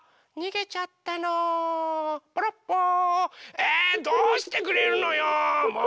えどうしてくれるのよもう！